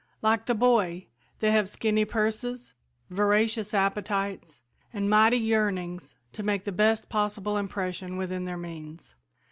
Like the boy, they have skinny purses, voracious appetites and mighty yearnings to make the best possible impression within their means.